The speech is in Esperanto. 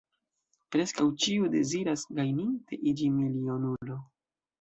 Preskaŭ ĉiu deziras gajninte iĝi milionulo.